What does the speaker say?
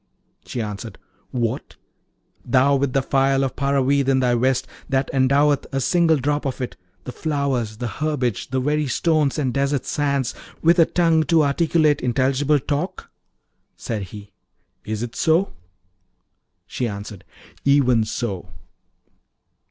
She answered, 'What! thou with the phial of Paravid in thy vest, that endoweth, a single drop of it, the flowers, the herbage, the very stones and desert sands, with a tongue to articulate intelligible talk?' Said he, 'Is it so?' She answered, 'Even so.'